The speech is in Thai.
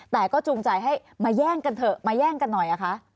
แต่ก็จูงใจให้มาแย่งกันเถอะมาแย่งกันหน่อยคะ